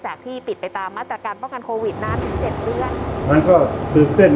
สวัสดีครับผมชื่อสามารถชานุบาลชื่อเล่นว่าขิงถ่ายหนังสุ่นแห่ง